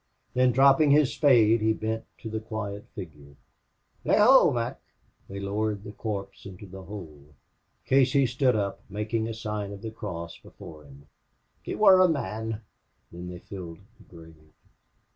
Then dropping his spade, he bent to the quiet figure. "Lay hold, Mac," he said. They lowered the corpse into the hole. Casey stood up, making a sign of the cross before him. "He wor a man!" Then they filled the grave.